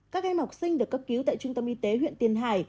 các em học sinh được cấp cứu tại trung tâm y tế huyện tiền hải